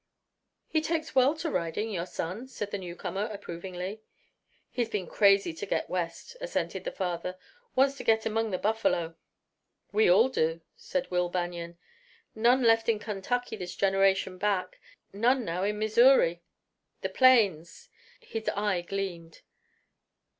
"He takes well to riding, your son," said the newcomer approvingly. "He's been crazy to get West," assented the father. "Wants to get among the buffalo." "We all do," said Will Banion. "None left in Kentucky this generation back; none now in Missouri. The Plains!" His eye gleamed.